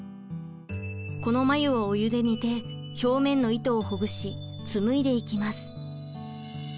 この繭をお湯で煮て表面の糸をほぐし紡いでいきます。